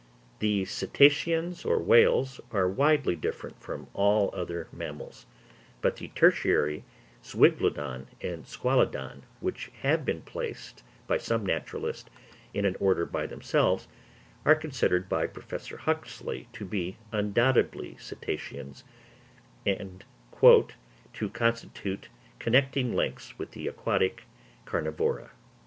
The cetaceans or whales are widely different from all other mammals, but the tertiary Zeuglodon and Squalodon, which have been placed by some naturalists in an order by themselves, are considered by Professor Huxley to be undoubtedly cetaceans, "and to constitute connecting links with the aquatic carnivora."